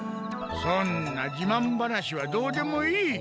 そんなじまん話はどうでもいい。